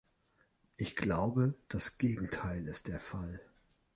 Ich glaube, das Gegenteil ist der Fall.